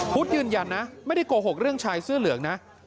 ยืนยันนะไม่ได้โกหกเรื่องชายเสื้อเหลืองนะ